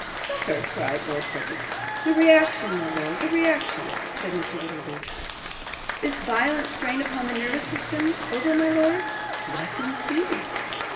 'Suffer!' cried Lord Verisopht. 'The reaction, my lord, the reaction,' said Mr. Wititterly. 'This violent strain upon the nervous system over, my lord, what ensues?